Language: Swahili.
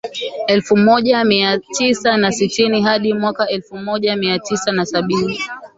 Elfu moja mia tisa na sitini hadi mwaka elfu moja mia tisa na sabini